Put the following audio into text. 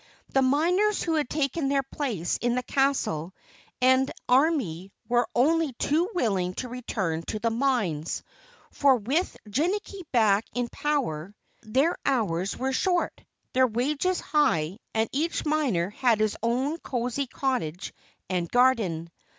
The miners who had taken their place in the castle and army were only too willing to return to the mines, for with Jinnicky back in power their hours were short, their wages high and each miner had his own cozy cottage and garden.